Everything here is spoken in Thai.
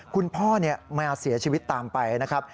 คุณพ่อมาเสียชีวิตตามไปนะครับ